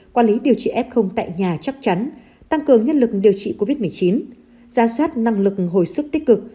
quản lý điều trị f tại nhà chắc chắn tăng cường nhân lực điều trị covid một mươi chín ra soát năng lực hồi sức tích cực